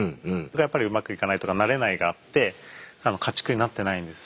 やっぱりうまくいかないとかなれないがあって家畜になってないんです。